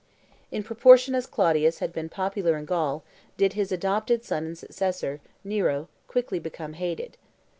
In proportion as Claudius had been popular in Gaul did his adopted son and successor, Nero, quickly become hated.